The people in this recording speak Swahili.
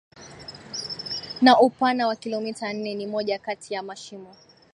na upana wa kilometa nne ni moja kati ya mashimo